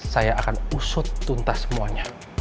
saya akan usut tuntas semuanya